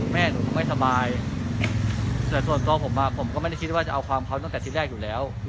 แม่หนูไม่สบายแต่ส่วนตัวผมผมก็ไม่ได้คิดว่าจะเอาความเขาตั้งแต่ที่แรกอยู่แล้ว